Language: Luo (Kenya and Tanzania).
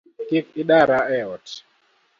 Kik idara eot